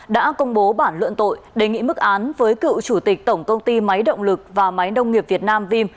đã công bố bản luận tội đề nghị mức án với cựu chủ tịch tổng công ty máy động lực và máy nông nghiệp việt nam vim